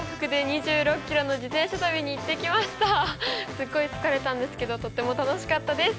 すごい疲れたんですけどとっても楽しかったです！